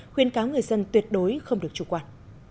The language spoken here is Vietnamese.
khuyên cáo người dân tuyệt đối không được chủ quản